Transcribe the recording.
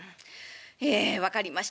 ええ分かりました。